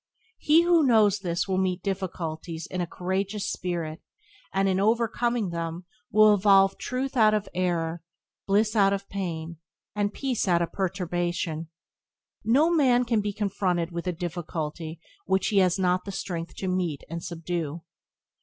He who knows this will meet difficulties in a Byways to Blessedness by James Allen 15 courageous spirit, and, in overcoming them, will evolve truth out of error, bliss out of pain, and peace out of perturbation. No man can be confronted with a difficulty which he has not the strength to meet and subdue.